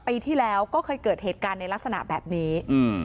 ปีที่แล้วก็เคยเกิดเหตุการณ์ในลักษณะแบบนี้อืม